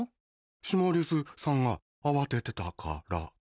シマリスさんが慌ててたから。